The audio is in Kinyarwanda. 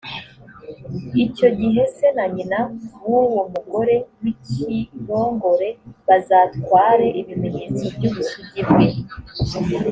icyo gihe se na nyina b’uwo mugore w’ikirongore bazatware ibimenyetso by’ubusugi bwe,